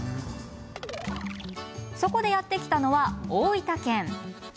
やって来たのは大分県。